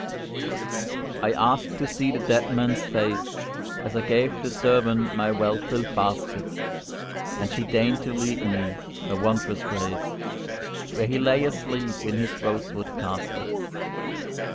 I asked to see the dead man's face, As I gave the servant my well filled basket; And she deigned to lead me, a wondrous grace, Where he lay asleep in his rosewood casket.